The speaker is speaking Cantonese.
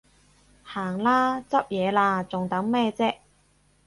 行啦，執嘢喇，仲等咩啫？